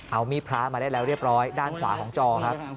เอามีดพระมาได้แล้วเรียบร้อยด้านขวาของจอครับ